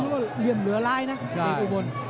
นี่ต้องยอมเรียมเหลือลายนะเด็กอุบล